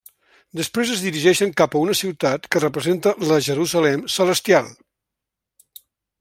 Després es dirigeixen cap a una ciutat que representa la Jerusalem celestial.